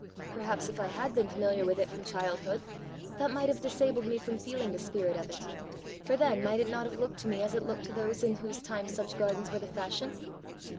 "Perhaps if I had been familiar with it from childhood, that might have disabled me from feeling the spirit of it, for then might it not have looked to me as it looked to those in whose time such gardens were the fashion?